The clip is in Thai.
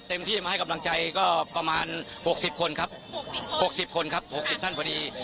เต็มที่มาให้กำลังใจก็ประมาณหกสิบคนครับหกสิบคนครับหกสิบท่านพอดี